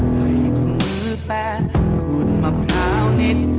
ให้คุณมือแป้นขุนมะพร้าวนิด